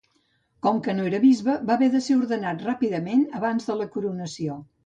Com que no era bisbe va haver de ser ordenat ràpidament abans de la coronació.